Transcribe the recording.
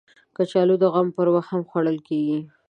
کچالو د غم پر وخت هم خواړه کېږي